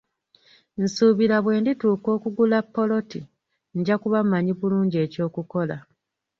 Nsuubira bwe ndituuka okugula ppoloti, nja kuba mmanyi bulungi eky'okukola.